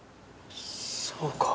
そうか。